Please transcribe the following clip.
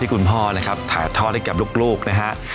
คุณพ่อนะครับถ่ายทอดให้กับลูกนะฮะ